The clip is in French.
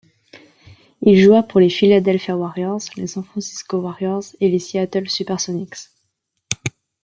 Il joua pour les Philadelphia Warriors, les San Francisco Warriors et les Seattle SuperSonics.